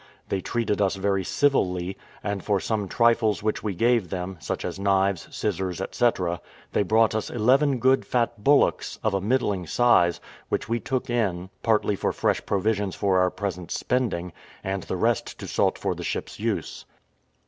They treated us very civilly; and for some trifles which we gave them, such as knives, scissors, &c., they brought us eleven good fat bullocks, of a middling size, which we took in, partly for fresh provisions for our present spending, and the rest to salt for the ship's use.